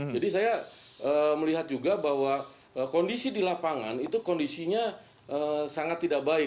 jadi saya melihat juga bahwa kondisi di lapangan itu kondisinya sangat tidak baik